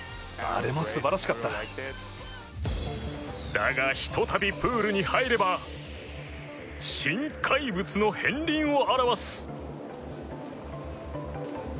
だが、ひとたびプールに入れば新怪物の片りんを表す。